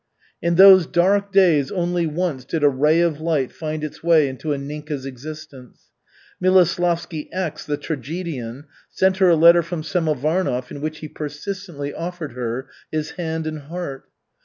In those dark days only once did a ray of light find its way into Anninka's existence. Miloslavsky X, the tragedian, sent her a letter from Samovarnov in which he persistently offered her his hand and heart.